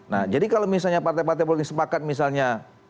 nah jadi kalau misalnya partai partai politik sepakat misalnya